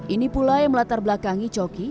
ini pula yang melatar belakangi coki